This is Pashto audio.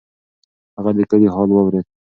هغه د کلي حال واورېد.